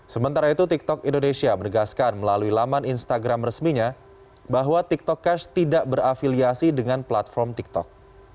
sementara itu tiktok indonesia menegaskan melalui laman instagram resminya bahwa tiktok cash tidak berafiliasi dengan platform tiktok